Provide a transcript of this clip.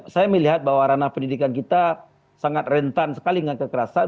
saya melihat bahwa ranah pendidikan kita sangat rentan sekali dengan kekerasan